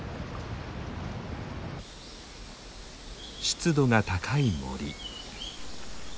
湿度が高い森。